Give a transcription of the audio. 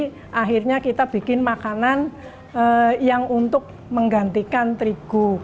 jadi akhirnya kita bikin makanan yang untuk menggantikan terigu